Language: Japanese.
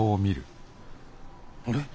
あれ？